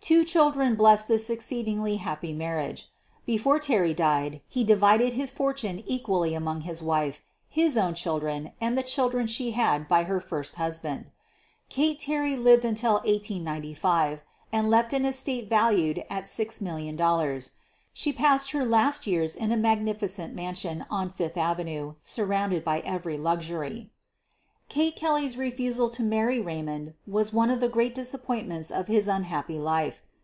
Two chil dren blessed this exceedingly happy marriage. Be fore Terry died he divided his fortune equally among his wife, his own children, and the children she had by her first husband. Kate Terry lived until 1895, and left an estate valued at $6,000,000. She passed her last years in a magnificent mansion on Fifth Avenue, surrounded by every luxury. Kate Kelley's refusal to marry Raymond was one of the great disappointments of his unhappy life.